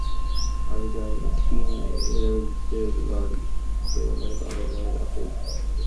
আমি জানি টিন এজারদের গাড়ি দেওয়া মানে বাবা মায়ের রাতের ঘুম নষ্ট।